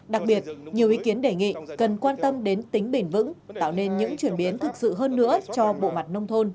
đặc biệt nhiều ý kiến đề nghị cần quan tâm đến tính bền vững tạo nên những chuyển biến thực sự hơn nữa cho bộ mặt nông thôn